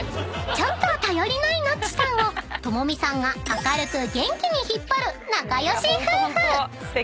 ［ちょっと頼りないノッチさんを友美さんが明るく元気に引っ張る仲良し夫婦］